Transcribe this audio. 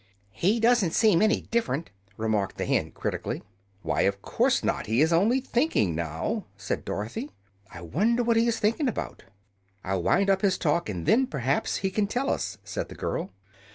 "He doesn't seem any different," remarked the hen, critically. "Why, of course not; he is only thinking, now," said Dorothy. "I wonder what he is thinking about." "I'll wind up his talk, and then perhaps he can tell us," said the girl.